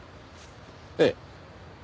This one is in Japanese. ええ。